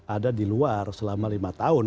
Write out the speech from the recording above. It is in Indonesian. ada di luar selama lima tahun